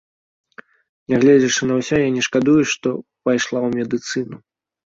Нягледзячы на ўсё я не шкадую, што пайшла ў медыцыну.